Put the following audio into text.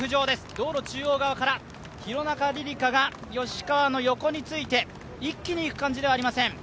道路中央側から廣中璃梨佳が吉川の横について、一気にいく感じではありません。